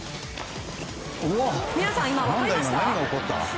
皆さん、分かりました？